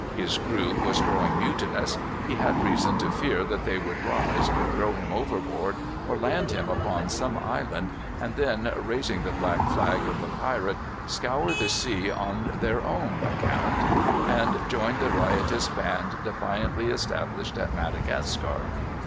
His crew was growing mutinous. He had reason to fear that they would rise, throw him overboard or land him upon some island, and then, raising the black flag of the pirate, scour the seas on their own account, and join the riotous band defiantly established at Madagascar.